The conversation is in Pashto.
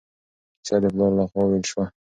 کیسه د پلار له خوا وویل شوه.